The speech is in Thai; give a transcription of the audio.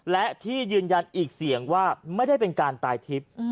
และที่ยืนยันอีกเสียงว่าไม่ได้เป็นการตายทิพย์